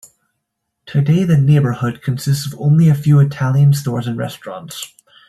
Today the neighborhood consists of only a few Italian stores and restaurants.